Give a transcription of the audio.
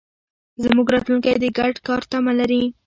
زموږ راتلونکی د ګډ کار تمه لري.